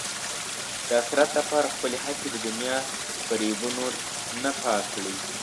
د اخرت لپاره خپلې هڅې د دنیا فریبونو نه پاک کړئ.